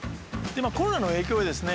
コロナの影響でですね